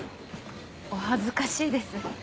お恥ずかしいです。